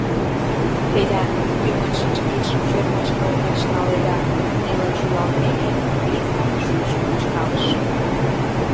Федя тӱҥын шичше кидшым шӧрмыч кыл гыч наледа, нелын шӱлалтымеке, Лискан шӱйжым вӱчкалтыш.